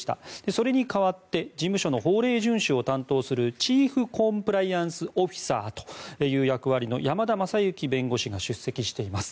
それに代わって事務所の法令順守を担当するチーフコンプライアンスオフィサーという役割の山田将之弁護士が出席しています。